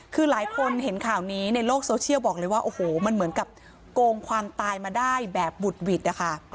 คือหลายคนเห็นข่าวนี้ในโลกโซเชียลบอกเลยว่าโอ้โหมันเหมือนกับโกงความตายมาได้แบบบุดหวิดนะคะ